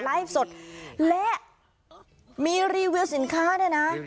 ไลฟ์สดและมีรีวิวสินค้าด้วยนะ